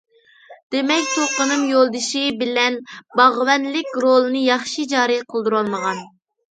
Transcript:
دېمەك تۇغقىنىم يولدىشى بىلەن« باغۋەن» لىك رولىنى ياخشى جارى قىلدۇرالمىغان.